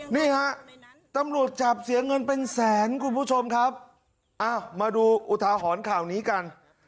นี่ฮะตำรวจจับเสียเงินเป็นแสนคุณผู้ชมครับอ้าวมาดูอุทาหรณ์ข่าวนี้กัน